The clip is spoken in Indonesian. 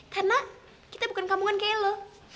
karena kita bukan kampungan kayak lo